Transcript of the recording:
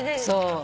そう。